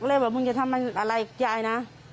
เลยบอกว่ามึงจะทำอะไรกับยายนะ